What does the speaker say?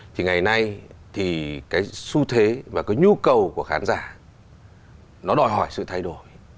thì ngày nay thì cái xu thế và cái nhu cầu của khán giả nó đòi hỏi sự thay đổi